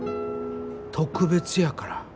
特別やから。